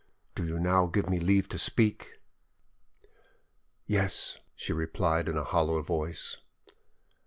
Do you now give me leave to speak?" "Yes," she replied in a hollow voice.